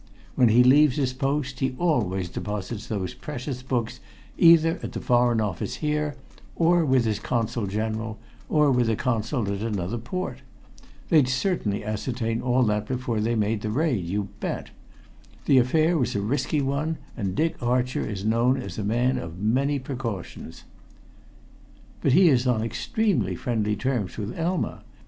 When he leaves his post he always deposits those precious books either at the Foreign Office here or with his Consul General, or with a Consul at another port. They'd surely ascertain all that before they made the raid, you bet. The affair was a risky one, and Dick Archer is known as a man of many precautions." "But he is on extremely friendly terms with Elma.